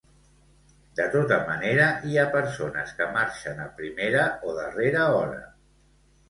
De tota manera, hi ha persones que marxen a primera o darrera hora.